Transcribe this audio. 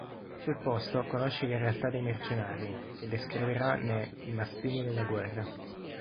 Sul posto conosce la realtà dei mercenari, che descriverà ne "I mastini della guerra".